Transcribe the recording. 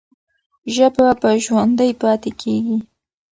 ژبه به ژوندۍ پاتې کېږي.